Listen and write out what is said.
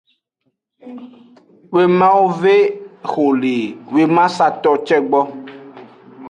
Wemawo ve exo le wemasato ce gbo.